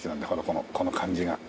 このこの感じが。